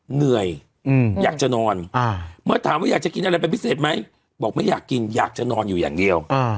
เหนื่อยอยากจะนอนเมื่อถามว่าอยากจะกินอะไรเป็นพิเศษไหมบอกไม่อยากกินอยากจะนอนอยู่อย่างเดียว